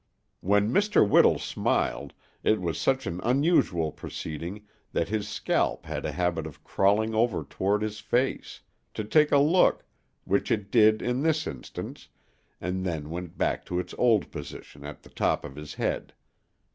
When Mr. Whittle smiled, it was such an unusual proceeding that his scalp had a habit of crawling over towards his face, to take a look, which it did in this instance, and then went back to its old position at the top of his head.